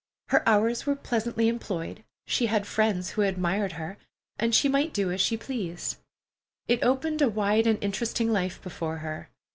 Her hours were pleasantly employed, she had friends who admired her, and she might do as she pleased. It opened a wide and interesting life before her.